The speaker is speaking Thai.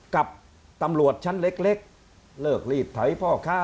กับตำรวจชั้นเล็กเลิกรีดไถพ่อค้า